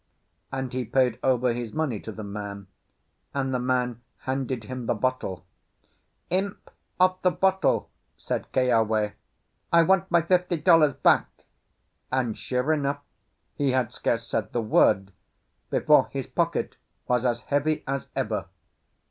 And he paid over his money to the man, and the man handed him the bottle. "Imp of the bottle," said Keawe, "I want my fifty dollars back." And sure enough he had scarce said the word before his pocket was as heavy as ever.